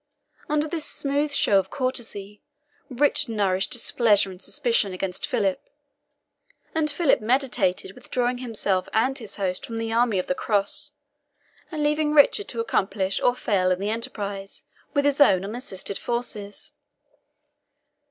Under this smooth show of courtesy, Richard nourished displeasure and suspicion against Philip, and Philip meditated withdrawing himself and his host from the army of the Cross, and leaving Richard to accomplish or fail in the enterprise with his own unassisted forces.